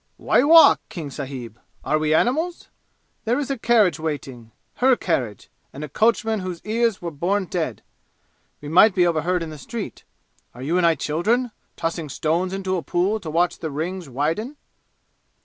"Why walk, King sahib? Are we animals? There is a carriage waiting her carriage and a coachman whose ears were born dead. We might be overheard in the street. Are you and I children, tossing stones into a pool to watch the rings widen!"